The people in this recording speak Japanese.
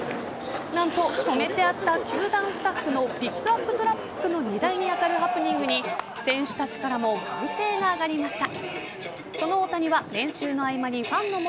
何と止めてあった球団スタッフのピックアップトラックの荷台に当たるハプニングに選手たちからも歓声が上がりました。